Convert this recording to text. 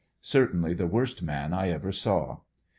Certainly the worst man I ever saw.